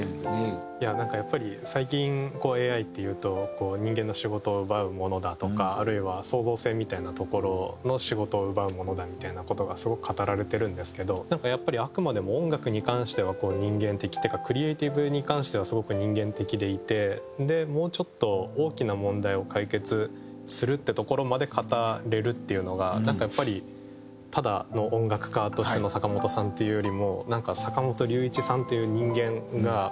なんかやっぱり最近ＡＩっていうと人間の仕事を奪うものだとかあるいは創造性みたいなところの仕事を奪うものだみたいな事がすごく語られてるんですけどなんかやっぱりあくまでも音楽に関しては人間的っていうかクリエーティブに関してはすごく人間的でいてもうちょっと大きな問題を解決するっていうところまで語れるっていうのがなんかやっぱりただの音楽家としての坂本さんっていうよりも坂本龍一さんっていう人間がこうなんだろう